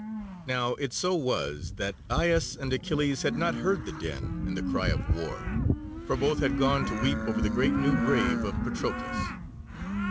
Now it so was that Aias and Achilles had not heard the din and the cry of war, for both had gone to weep over the great new grave of Patroclus.